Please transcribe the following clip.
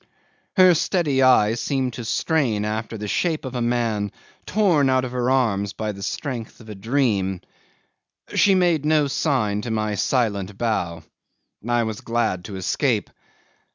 ..." 'Her steady eyes seemed to strain after the shape of a man torn out of her arms by the strength of a dream. She made no sign to my silent bow. I was glad to escape.